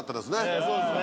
そうですね。